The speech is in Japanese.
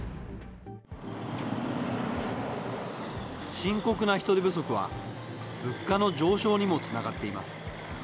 深刻な人手不足は、物価の上昇にもつながっています。